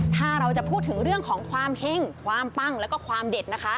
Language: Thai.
ถ้าเราจะพูดถึงเรื่องของความเฮ่งความปั้งแล้วก็ความเด็ดนะคะ